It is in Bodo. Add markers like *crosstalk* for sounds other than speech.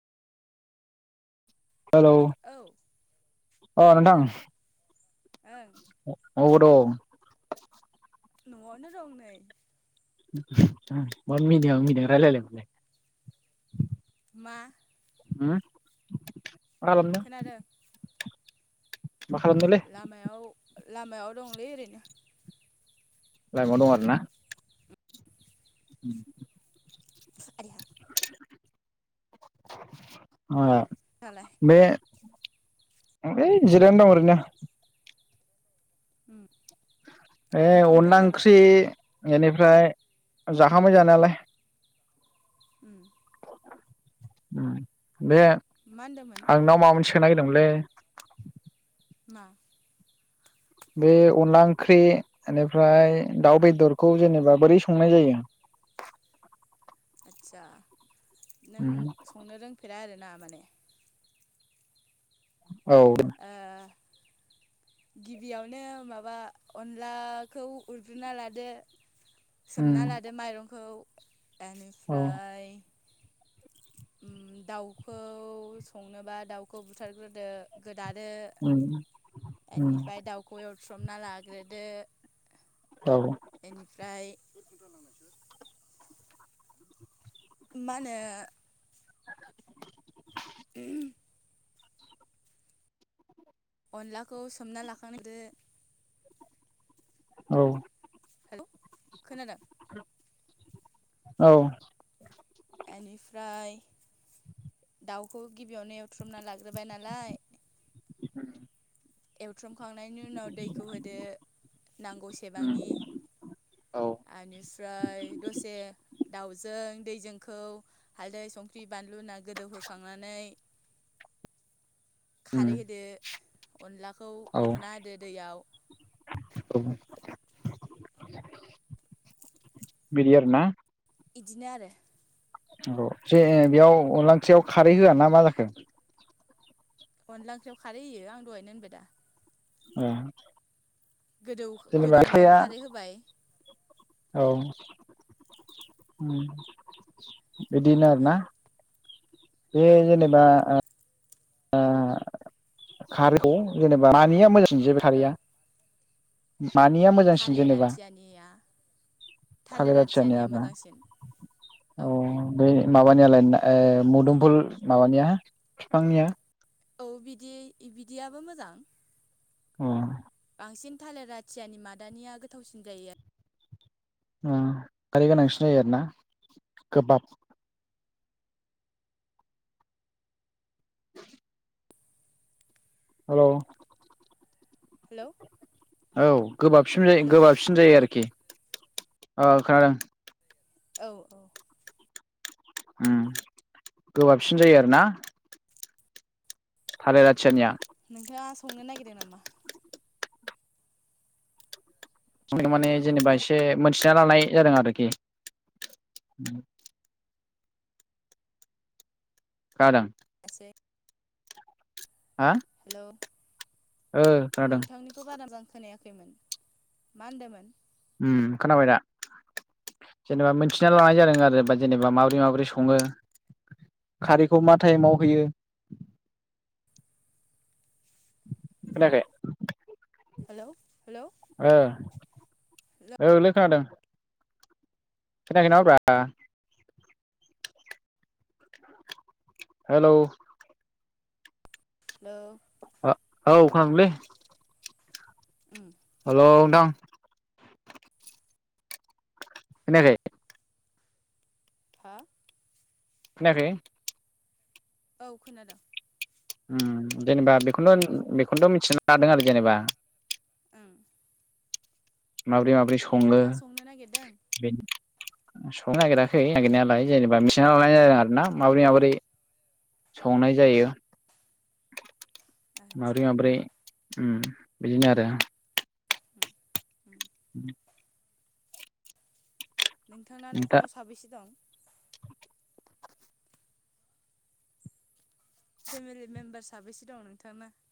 हेलौ, औ अ नोंथां! खोनादों ओं अबाव दं? न'आवनो दं नै। मा मिनिहां मिनिहां रायलायनाय बेलाय? मा? होम मा खालामदों? खोनादों मा खालामदोंलै लामायाव, लामायाव दंलै ओरैनो। लामायाव दं आरो ना? उम। आयदै हा! मा? *unintelligible* बे ऐ जिरायना दं ओरैनो। उम। ऐ ओंखामफोर अनला जाबाय ओंख्रि एनिफ्राय जाखांबाय जानायालाय। उम। उम बे मा होनदोंमोन? नोंनाव माबा मोनसे सोंनो नागिरदोंमोनलै। मा? बे अनला ओंख्रि एनिफ्राय दाउ बेदरखौ जेनेबा बोरै संनाय जायो। आदसा नों संनो रोंफेरा आरोना माने? औ। ओ। गिबियावनो माबा अनलाखौ उरग्रोना लादो। *inaudible* सोमना लादो माइरंखौ, औ एनिफ्राय अम दाउखौ संनोबा दाउखौ बुथारग्रोदो गोदादो उम उम एनिफ्राय दाउखौ एवथ्रमना लाग्रोदो। दाव एनिफ्राय मा नो *inaudible* अनलाखौ सोमना लाखांदो। औ। हेल' खोनादों? औ। एनिफ्राय दाउखौ गिबियावनो एवथ्रुमना लाग्रोबाय नालाय। एवथ्रमखांनायनि उनाव दैखौ होदो, नांगौ सेबांनि। औ आनिफ्राय दसे दाउजों दैजोंखौ हालदै संख्रि बानलु ना गोदौहोखांनानै *inaudible* उम खारै होदो अनलाखौ औ औ उरना होदो दैयाव। *unintelligible* बिदि आरो ना? इदिनो आरो। अ जे बेयाव अनलांख्रियाव खारै होआ ना मा जाखो? अनला ओंख्रियाव खारै होयो आं दहायनो होनबाय दा। *unintelligible* गोदौ जेनेबा गोदौनायाव खाया खारै होबाय। औ बिदिनो आरो ना। ओं बे औ जेनेबा आ आ खारैखौ जेनेबा मानिया मोजां जे बे खारैया? मानिया मोजांसिन थालेर जेनेबा आथियानिया। थालिर थालेरा आथियानिया आरोना मोजांसिन। औ। बै माबानिया ओ मुदुमफुल माबानिया बिफांनिया? औ बिदि बिदियाबो मोजां। अ। बांसिन थालेर आथियानि मादानिया गोथावसिन जायो आरो। खारै गोनांसिन जायो आरोना? गोबाब। *inaudible* हेल'। हेलौ। औ गोबाबसिन जायो हेलौ गोबाबसिन जायो आरोखि अह खोनादों। औ औ उम गोबाबसिन जायो आरो ना थालेर आथियानिया नोंथाङा संनो नागिरदों नामा औ माने जेनेबा एसे मोनथिना लानाय जादों आरोखि खोनादों एसे हा हेल' ओ खोनादों नोंथांनि नोंनिखौ बारा मोजां खोनायाखैमोन मा होनदोंमोन उम खोनाबायदा जेनेबा मिनथिना लानाय जादों आरो जेनेबा माबोरै माबोरै संङो खारैखौ मा टाइमाव होयो खोनायाखै हेल' हेल' ओ औ लै खोनादों खोनायाखै नामाब्रा हेल' हेलौ औ खोनादोंलै उम हेल' नोंथां खोनायाखै हो खोनायाखै औ खोनादों उम जेनेबा बेखौ बेखौथ' मिथिना लादों आरो जेनेबा ओं माबोरै माबोरै सङो नोंथाङा संनो नागिरदों बेनो संनो नागिराखै नागिरनायालाय जेनेबा मिथिना लानाय जादों आरो ना माबोरै माबोरै संनाय जायो आदसा माब्रै माब्रै उम बिदिनो आरो उम उम *inaudible* नोंथां ना दा न'खराव साबेसे दं फेमिलि मेम्बार साबैसे दं नोंथां ना